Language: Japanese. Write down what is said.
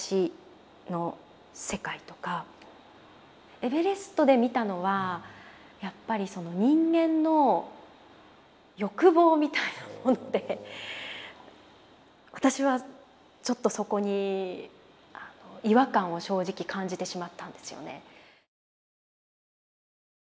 エベレストで見たのはやっぱりその人間の欲望みたいなもので私はちょっとそこに違和感を正直感じてしまったんですよね。